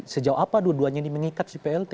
sejauh apa dua duanya ini mengikat si plt